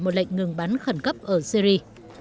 một lệnh ngừng bắn khẩn cấp ở syri